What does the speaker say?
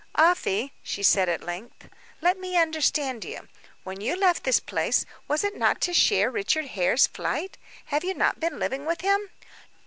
"Afy," she said at length, "let me understand you. When you left this place, was it not to share Richard Hare's flight? Have you not been living with him?"